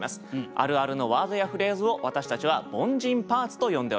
あるあるのワードやフレーズを私たちは「凡人パーツ」と呼んでおります。